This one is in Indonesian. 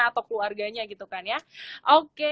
atau keluarganya gitu kan ya oke